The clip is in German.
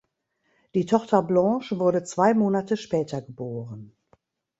Die Tochter Blanche wurde zwei Monate später geboren.